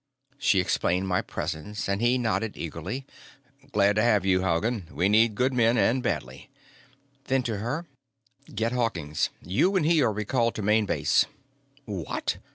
She explained my presence, and he nodded eagerly. "Glad to have you, Haugen. We need good men, and badly." Then to her: "Get Hawkins. You and he are recalled to Main Base." "What?